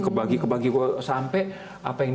kebagi kebagi sampai apa yang